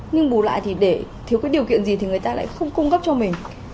nhưng bù lại thì để thiếu cái điều kiện gì thì người ta lại không cung cấp cho mình